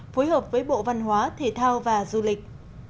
phối hợp với bộ văn hóa thể thao và du lịch